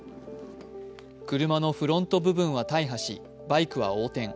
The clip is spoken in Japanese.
車のフロント部分は大破し、バイクは横転。